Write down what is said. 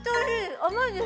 甘いです。